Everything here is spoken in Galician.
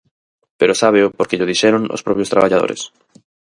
Pero sábeo porque llo dixeron os propios traballadores.